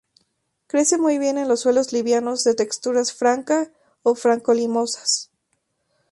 Crece muy bien en suelos livianos de textura franca o franco-limosa.